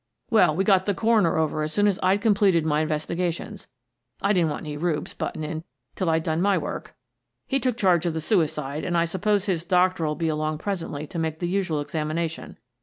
" Well, we got the coroner over as soon as I'd completed my investigations. I didn't want any reubes butting in till I'd done my work. He took charge of the suicide, and I suppose his doctor'll be along presently to make the usual examination.